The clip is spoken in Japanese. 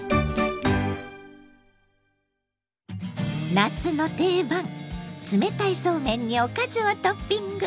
夏の定番冷たいそうめんにおかずをトッピング！